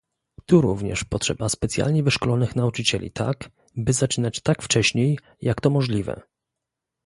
Tu również potrzeba specjalnie wyszkolonych nauczycieli tak, by zaczynać tak wcześniej, jak to możliwe